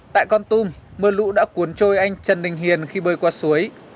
tại con tum mưa lũ đã cuốn trôi anh trần đình hiền khi bơi qua suối